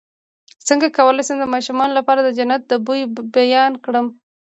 څنګه کولی شم د ماشومانو لپاره د جنت د بوی بیان کړم